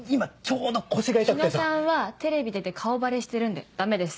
日野さんはテレビ出て顔バレしてるんでダメです。